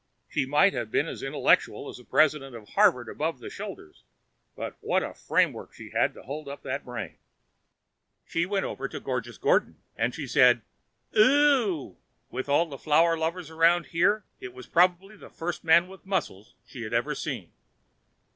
She might have been as intellectual as the president of Harvard above the shoulders, but what a framework she had to hold up that brain! She went over to Gorgeous Gordon and she said, "Ooh!" With all the flower lovers around here, it was probably the first man with muscles she had ever seen.